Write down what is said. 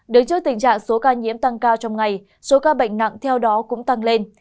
đứng trước tình trạng số ca nhiễm tăng cao trong ngày số ca bệnh nặng theo đó cũng tăng lên